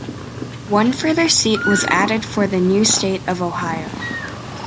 One further seat was added for the new state of Ohio.